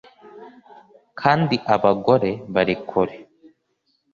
kandi abagore bari kure